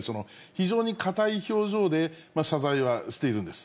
非常に硬い表情で謝罪はしているんです。